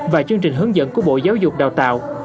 và chương trình hướng dẫn của bộ giáo dục đào tạo